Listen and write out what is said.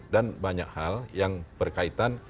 dan banyak hal yang berkaitan